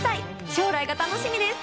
将来が楽しみです。